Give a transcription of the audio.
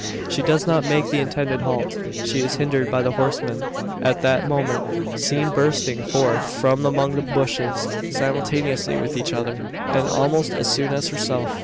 She does not make the intended halt. She is hindered by the horsemen, at that moment seen bursting forth from among the bushes, simultaneously with each other, and almost as soon as herself!